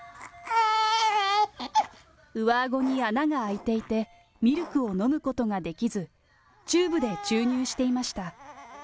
上あごに穴が開いていてミルクを飲むことができず、チューブで注入していました。